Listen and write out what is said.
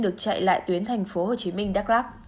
được chạy lại tuyến tp hcm đắk lắk